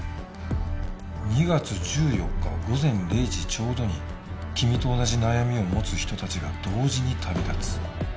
「２月１４日午前零時丁度に君と同じ悩みを持つ人たちが同時に旅立つ」